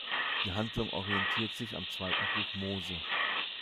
Die Handlung orientiert sich am zweiten Buch Mose.